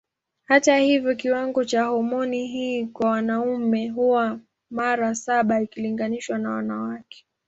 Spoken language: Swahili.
Hata hivyo kiwango cha homoni hii kwa wanaume huwa mara saba ikilinganishwa na wanawake.